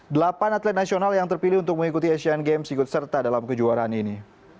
delapan atlet nasional yang terpilih untuk mengikuti asian games ikut serta dalam kejuaraan ini